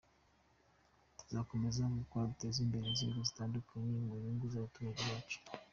Tuzakomeza gukora duteza imbere inzego zitandukanye mu nyungu z’abaturage bacu.